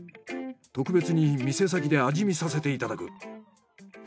特別に店先で味見させていただく。